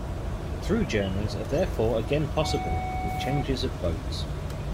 Through journeys are therefore again possible, with changes of boats.